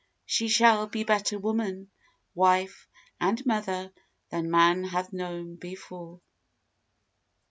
She shall be better woman, wife and mother Than man hath known before.